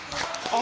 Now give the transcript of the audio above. あ！